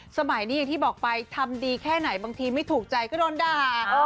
สมัยนี้อย่างที่บอกไปทำดีแค่ไหนบางทีไม่ถูกใจก็โดนด่า